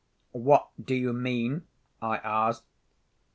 "What do you mean?" I asked.